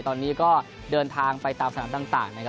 ตอนนี้ก็เดินทางไปตามสนามต่างนะครับ